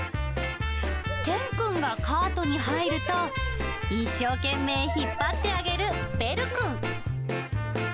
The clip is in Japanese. テンくんがカートに入ると、一生懸命引っ張ってあげるベルくん。